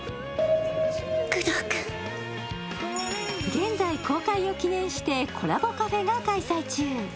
現在、公開を記念してコラボカフェが開催中。